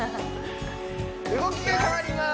動きが変わります